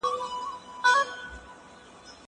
زه به سبا تمرين وکړم!؟